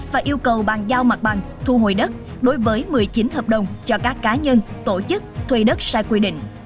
và yêu cầu bàn giao mặt bằng thu hồi đất đối với một mươi chín hợp đồng cho các cá nhân tổ chức thuê đất sai quy định